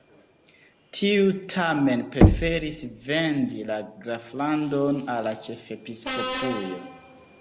Tiu tamen preferis vendi la graflandon al la ĉefepiskopujo.